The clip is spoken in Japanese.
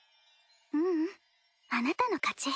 ううんあなたの勝ち。